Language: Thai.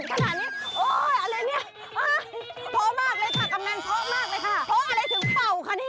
โอ๊ยพอมากเลยค่ะกำเนินเพิ่มมากเลยค่ะเพราะอะไรถึงเป่าค่ะเนี่ย